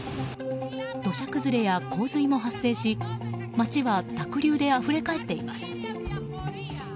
土砂崩れや洪水も発生し街は濁流であふれかえっています。